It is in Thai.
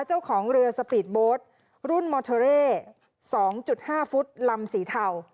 เจ้าของเรือสปีดโบสต์รุ่นมอเทอเร่๒๕ฟุตลำสีเทา